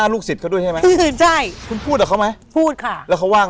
รอคนมาเยอะ